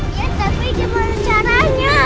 ya tapi gimana caranya